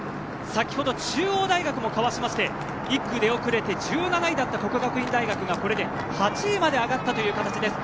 先ほど中央大学もかわしまして１区、出遅れて１７位だった國學院大學がこれで８位まで上がったという形です。